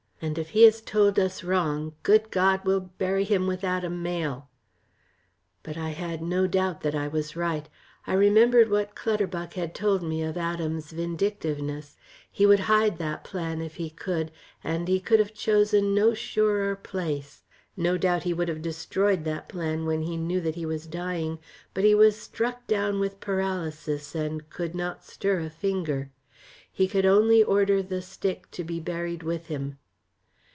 "And if he has told us wrong, good God, we'll bury him with Adam Mayle." But I had no doubt that I was right. I remembered what Clutterbuck had told me of Adam's vindictiveness. He would hide that plan if he could, and he could have chosen no surer place. No doubt he would have destroyed that plan when he knew that he was dying, but he was struck down with paralysis, and could not stir a finger. He could only order the stick to be buried with him.